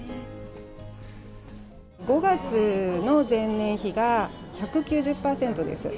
５月の前年比が１９０％です。